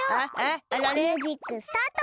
ミュージックスタート！